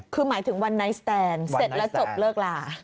คือหมายถึงวันไนท์สแตนเสร็จแล้วจบเลิกลา